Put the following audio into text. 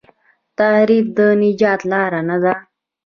تحریف د نجات لار نه ده.